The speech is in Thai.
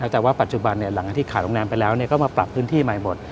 แต่ว่าปัจจุบันหลังจากที่ขาดโรงแรมไปแล้วก็มาปรับพื้นที่ใหม่หมด